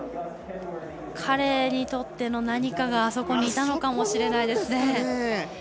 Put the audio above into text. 彼にとっての何かがあそこにいたのかもしれないですね。